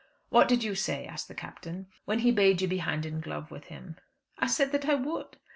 "What did you say?" asked the Captain, "when he bade you be hand and glove with him?" "I said that I would.